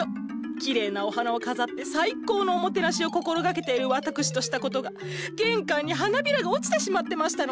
きれいなお花を飾って最高のおもてなしを心がけている私としたことが玄関に花びらが落ちてしまってましたの。